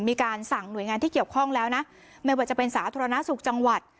มีการสั่งหน่วยงานที่เกี่ยวข้องแล้วนะไม่ว่าจะเป็นสาธารณสุขจังหวัด